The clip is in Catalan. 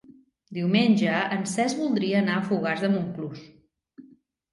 Diumenge en Cesc voldria anar a Fogars de Montclús.